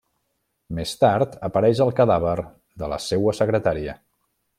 Més tard, apareix el cadàver de la seua secretària.